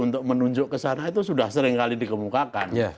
untuk menunjuk ke sana itu sudah seringkali dikemukakan